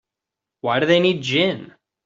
Why do they need gin?